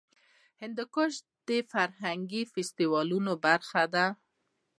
هندوکش د فرهنګي فستیوالونو برخه ده.